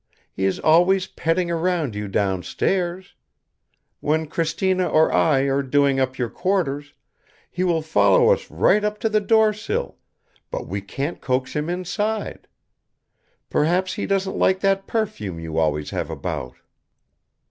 He is always petting around you downstairs. When Cristina or I are doing up your quarters, he will follow us right up to the door sill, but we can't coax him inside. Perhaps he doesn't like that perfume you always have about."